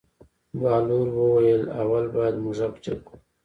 بهلول وویل: اول باید موږک جګ کړو.